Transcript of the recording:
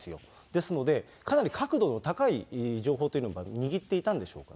ですので、かなり確度の高い情報というのは握っていたんでしょうかね。